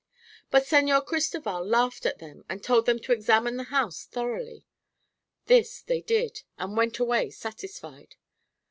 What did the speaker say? "But Señor Cristoval laughed at them and told them to examine the house thoroughly. This they did, and went away satisfied.